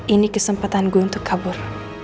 ini kesempatan gue untuk kabur